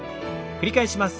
繰り返します。